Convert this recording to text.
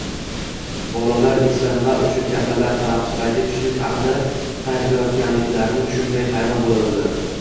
bolalar esa nima uchun kattalar tanaffusdagi tushlik haqida qayg‘urayotganliklarini tushunmay hayron bo‘ladilar